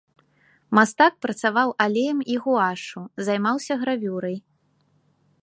Мастак працаваў алеем і гуашшу, займаўся гравюрай.